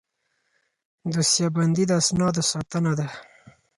دوسیه بندي د اسنادو ساتنه ده